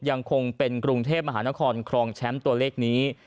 ยังคงเป็นกรุงเทพมหานครครองแชมป์ตัวเลขนี้